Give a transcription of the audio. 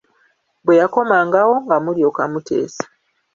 Bwe yakomangawo nga mulyoka muteesa.